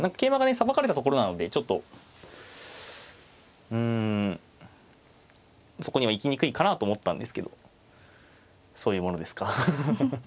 さばかれたところなのでちょっとうんそこには行きにくいかなと思ったんですけどそういうものですか。